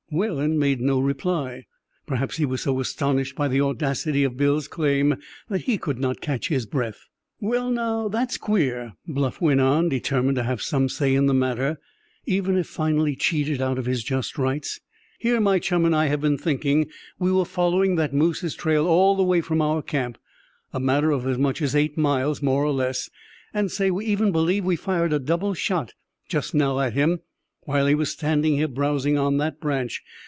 Whalen made no reply. Perhaps he was so astonished by the audacity of Bill's claim that he could not catch his breath. "Well, now, that's queer," Bluff went on, determined to have some say in the matter, even if finally cheated out of his just rights; "here my chum and I have been thinking we were following that moose's trail all the way from our camp, a matter of as much as eight miles, more or less. And, say, we even believed we fired a double shot just now at him, while he was standing here browsing on that branch.